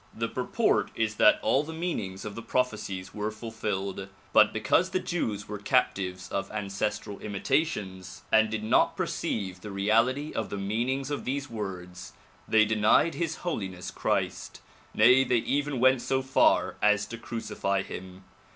The purport is that all the meanings of the prophecies were fulfilled but because the Jews were captives of ancestral imita tions and did not perceive the reality of the meanings of these words, they denied His Holiness Christ; nay, they even went so far as to crucify him.